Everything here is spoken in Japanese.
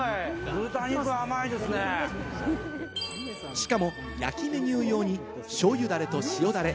しかも、焼きメニュー用にしょうゆダレと塩ダレ